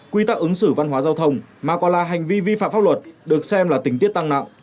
quy tắc ứng xử văn hóa giao thông mà còn là hành vi vi phạm pháp luật được xem là tình tiết tăng nặng